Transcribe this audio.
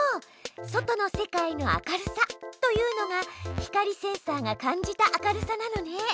「外の世界の明るさ」というのが光センサーが感じた明るさなのね。